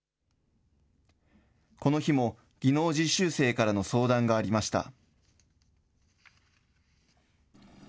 この日も技能実習生からの相談がありました。